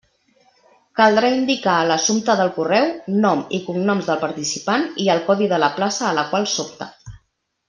Caldrà indicar a l'assumpte del correu: nom i cognoms del participant i el codi de la plaça a la qual s'opta.